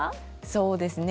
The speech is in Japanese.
そうですね。